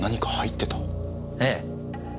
ええ。